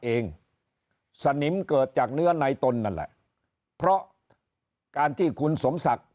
เองสนิมเกิดจากเนื้อในตนนั่นแหละเพราะการที่คุณสมศักดิ์